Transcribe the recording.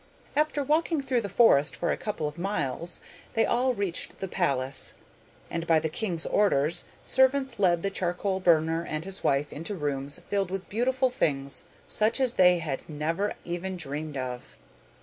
After walking through the forest for a couple of miles, they all three reached the palace, and by the king's orders servants led the charcoal burner and his wife into rooms filled with beautiful things such as they had never even dreamed of.